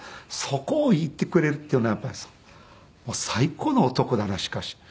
そこを言ってくれるっていうのはやっぱり最高の男だなしかし。